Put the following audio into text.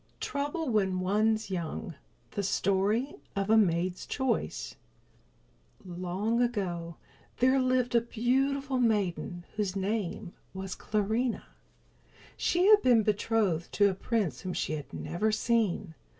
TROUBLE WHEN ONE'S YOUNG The Story of a Maid's Choice Long ago there lived a beautiful maiden whose name was Clarinha. She had been betrothed to a prince whom she had never seen.